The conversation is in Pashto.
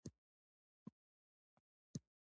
د انسان لپاره ژوند اړین دی